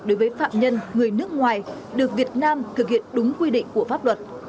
đối với phạm nhân người nước ngoài được việt nam thực hiện đúng quy định của pháp luật